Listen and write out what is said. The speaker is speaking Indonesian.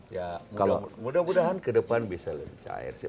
ya mudah mudahan ke depan bisa lebih cair sih